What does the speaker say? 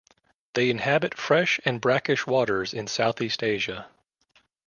They inhabit fresh and brackish waters in Southeast Asia.